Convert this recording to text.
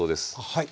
はい。